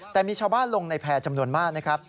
แต่มีชาวบ้านลงในแพร่จำนวนมากนะครับ